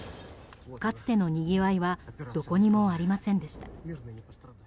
かつてのにぎわいはどこにもありませんでした。